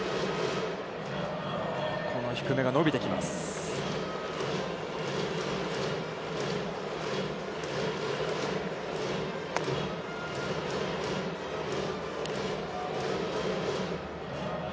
この低めが伸びてきます。